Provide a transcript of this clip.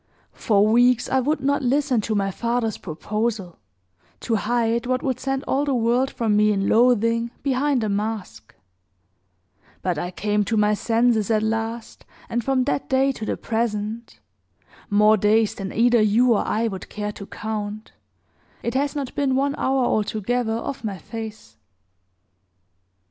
For weeks I would not listen to my father's proposal, to hide what would send all the world from me in loathing behind a mask; but I came to my senses at last, and from that day to the present more days than either you or I would care to count it has not been one hour altogether off my face."